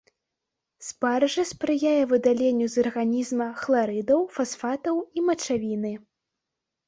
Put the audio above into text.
Спаржа спрыяе выдаленню з арганізма хларыдаў, фасфатаў і мачавіны.